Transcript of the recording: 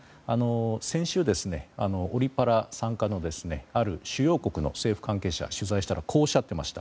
先週、オリパラ参加のある主要国の政府関係者を取材したらこうおっしゃっていました。